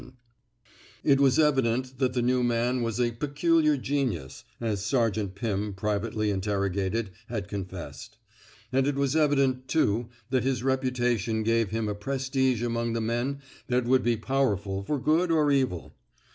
124 IN THE NATURE OF A HEKO It was evident that the new man was a peculiar genius,*' as Sergeant Pirn, pri vately interrogated, had confessed; and it was evident, too, that his reputation gave him a prestige among the men that would be powerful for good or evil.